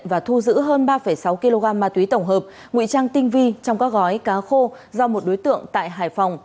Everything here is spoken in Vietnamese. và thu giữ hơn ba sáu kg ma túy tổng hợp nguy trang tinh vi trong các gói cá khô do một đối tượng tại hải phòng